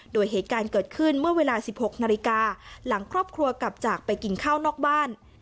โดยเหตุการณ์เกิดขึ้นเมื่อเวลา๑๖นาฬิกาหลังครอบครัวกลับจากไปกินข้าวนอกบ้าน